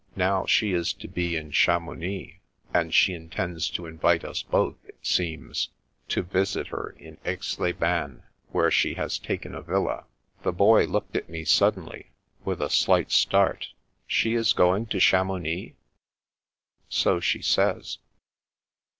Now, she is to be in Chamounix, and she intends to invite us both, it seems, to visit her in Aix les Bains, where she has taken a villa." The Boy looked at me suddenly, with a slight start. " She is going to Chamounix? "" So she says."